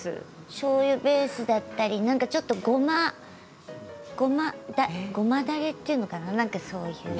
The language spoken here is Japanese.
しょうゆベースだったりなんかちょっとごまごまだれというのかな。